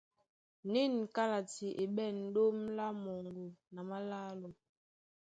Nîn kálati e ɓɛ̂n ɗóm lá moŋgo na málálo.